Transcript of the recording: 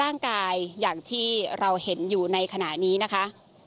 เนี้ยค่ะ